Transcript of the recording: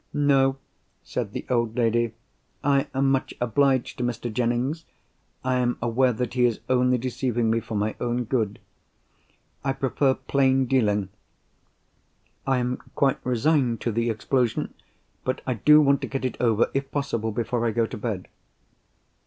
"No," said the old lady. "I am much obliged to Mr. Jennings—I am aware that he is only deceiving me for my own good. I prefer plain dealing. I am quite resigned to the explosion—but I do want to get it over, if possible, before I go to bed."